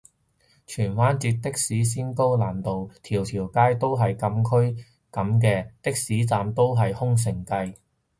荃灣截的士先高難度，條條街都係禁區噉嘅？的士站都係空城計